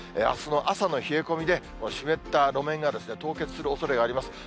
あすの朝の冷え込みで、湿った路面が凍結するおそれがあります。